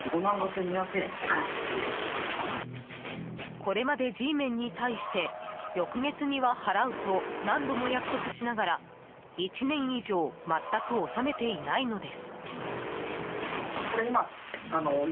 これまでＧメンに対して翌月には払うと何度も約束しながら、１年以上全く納めていないのです。